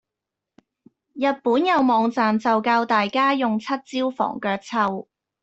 日本有網站就教大家用七招防腳臭